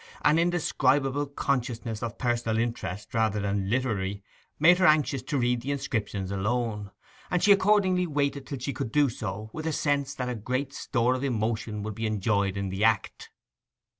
An indescribable consciousness of personal interest rather than literary made her anxious to read the inscription alone; and she accordingly waited till she could do so, with a sense that a great store of emotion would be enjoyed in the act.